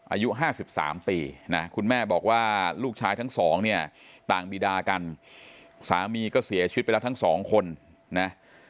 อายุ๕๓ปีนะคุณแม่บอกว่าลูกชายทั้งสองเนี่ยต่างบีดากันสามีก็เสียชีวิตไปแล้วทั้งสองคนนะ